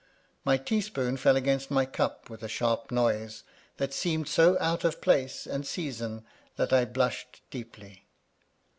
My tea spoon fell against my cup with a sharp noise, that seemed so out of place and season that I blushed deeply.